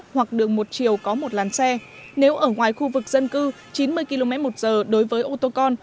hoặc đường một chiều có một làn xe nếu ở ngoài khu vực dân cư chín mươi km một giờ đối với ô tô con